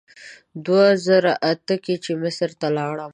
دوه زره اته کې چې مصر ته لاړم.